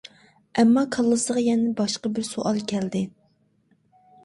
ئەمما كاللىسىغا يەنە باشقا بىر سوئال كەلدى.